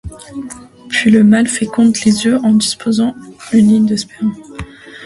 Puis le mâle féconde les œufs en déposant une ligne de sperme.